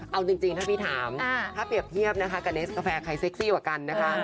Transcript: เอาจริงถ้าพี่ถามถ้าเปรียบเทียบนะคะกับเนสกาแฟใครเซ็กซี่กว่ากันนะคะ